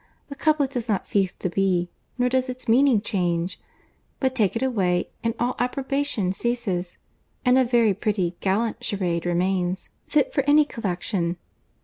The couplet does not cease to be, nor does its meaning change. But take it away, and all appropriation ceases, and a very pretty gallant charade remains, fit for any collection.